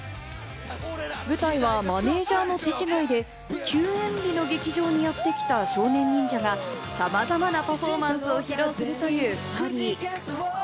舞台はマネージャーの手違いで休演日の劇場にやってきた少年忍者がさまざまなパフォーマンスを披露するというストーリー。